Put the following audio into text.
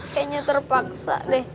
kayaknya terpaksa deh